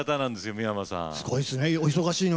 三山さん。